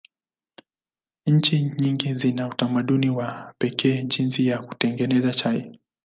Nchi nyingi zina utamaduni wa pekee jinsi ya kutengeneza chai.